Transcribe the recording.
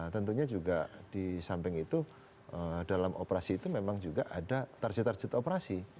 tentunya juga di samping itu dalam operasi itu memang juga ada target target operasi